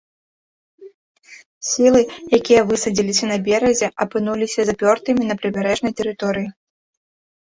Сілы, якія высадзіліся на беразе, апынуліся запёртымі на прыбярэжнай тэрыторыі.